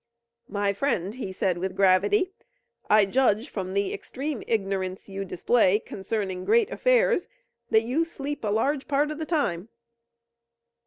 "My friend," he said with gravity, "I judge from the extreme ignorance you display concerning great affairs that you sleep a large part of the time."